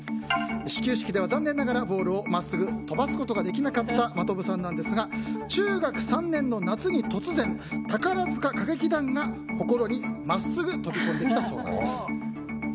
始球式では残念ながらボールを真っすぐ飛ばせなかった真飛さんですが、中学３年の夏に突然、宝塚歌劇団が心に真っすぐ飛び込んできたそうです。